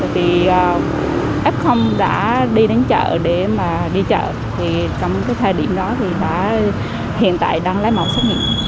thì f đã đi đến chợ để mà đi chợ thì trong cái thời điểm đó thì đã hiện tại đang lấy mẫu xét nghiệm